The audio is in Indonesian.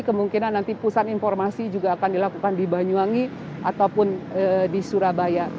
kemungkinan nanti pusat informasi juga akan dilakukan di banyuwangi ataupun di surabaya